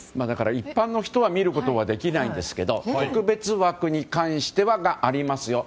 一般の人は見ることはできないですが特別枠に関してはありますよと。